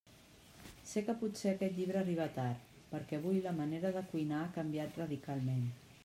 Sé que potser aquest llibre arriba tard, perquè avui la manera de cuinar ha canviat radicalment.